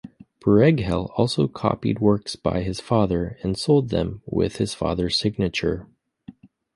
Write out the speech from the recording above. Brueghel also copied works by his father and sold them with his father's signature.